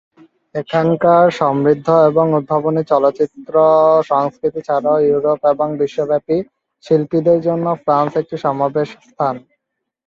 এখানকার সমৃদ্ধ এবং উদ্ভাবনী চলচ্চিত্র সংস্কৃতি ছাড়াও ইউরোপ এবং বিশ্বব্যাপী শিল্পীদের জন্য ফ্রান্স একটি সমাবেশ স্থান।